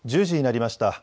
１０時になりました。